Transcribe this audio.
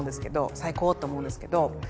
最高と思うんですけど。